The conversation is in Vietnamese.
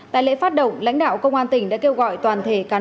tại lễ phát động lãnh đạo công an tỉnh điện biên đã tổ chức lễ phát động hưởng ứng